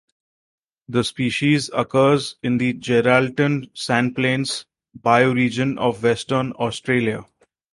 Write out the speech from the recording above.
The species occurs in the Geraldton Sandplains bioregion of Western Australia.